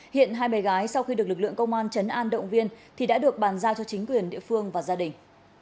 hiện hai bé gái sau khi được lực lượng công an trấn an động viên thì đã được bàn giao cho chính quyền địa phương và gia đình